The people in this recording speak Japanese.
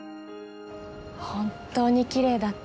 本当にきれいだった。